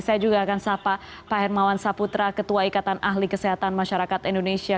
saya juga akan sapa pak hermawan saputra ketua ikatan ahli kesehatan masyarakat indonesia